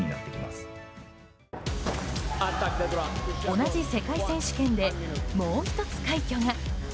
同じ世界選手権でもう１つ、快挙が。